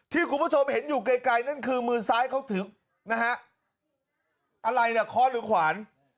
คุณผู้ชมเห็นอยู่ไกลนั่นคือมือซ้ายเขาถือนะฮะอะไรน่ะค้อนหรือขวาน